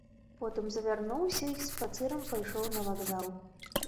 Потым завярнуўся й спацырам пайшоў на вакзал.